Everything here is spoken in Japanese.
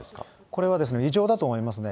これは異常だと思いますね。